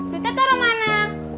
duitnya taruh mana